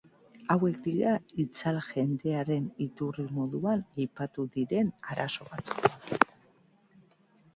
Hauek dira itzal jendearen iturri moduan aipatu diren arazo batzuk.